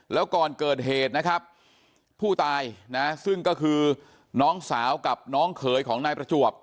แล้วก่อนเกิดเหตุนะครับผู้ตายนะซึ่งก็คือน้องสาวกับน้องเขยของนายประจวบ